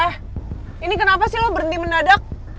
eh ini kenapa sih lo berhenti mendadak